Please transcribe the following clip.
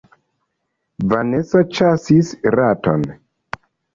Vanesa ĉasis raton.